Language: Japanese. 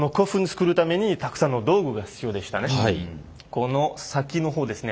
この先の方ですね